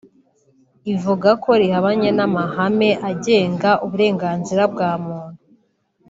ivuga ko rihabanye n’amahame agenga uburenganzira bwa muntu